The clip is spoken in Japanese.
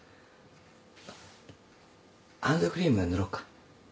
あっハンドクリーム塗ろうか。